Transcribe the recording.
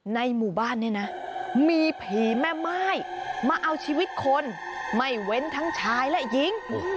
ในหมู่บ้านเนี่ยนะมีผีแม่ม่ายมาเอาชีวิตคนไม่เว้นทั้งชายและหญิง